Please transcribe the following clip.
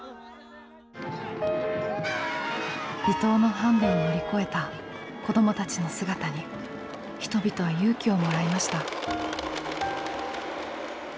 離島のハンデを乗り越えた子どもたちの姿に人々は勇気をもらいました。